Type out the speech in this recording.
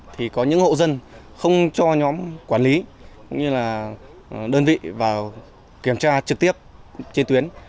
thì có những hộ dân không cho nhóm quản lý cũng như là đơn vị vào kiểm tra trực tiếp trên tuyến